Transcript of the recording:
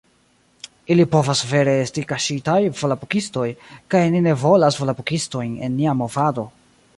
Ili povas vere esti kaŝitaj volapukistoj kaj ni ne volas volapukistojn en nia movado